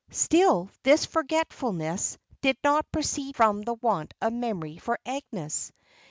Still this forgetfulness did not proceed from the want of memory for Agnes.